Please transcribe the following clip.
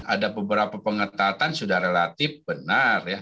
ada beberapa pengetatan sudah relatif benar ya